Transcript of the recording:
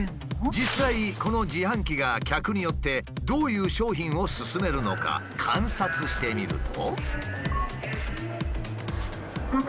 実際この自販機が客によってどういう商品を勧めるのか観察してみると。